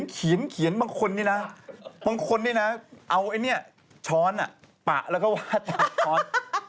เขียนบางคนนี่นะบางคนนี่นะเอาไอ้เนี่ยช้อนปะแล้วก็วาดจากช้อน